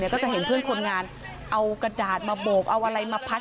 ก็จะเห็นเพื่อนคนงานเอากระดาษมาโบกเอาอะไรมาพัด